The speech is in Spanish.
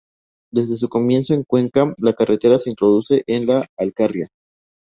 Desde su comienzo en Cuenca, la carretera se introduce en La Alcarria.